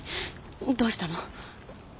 どうしたの？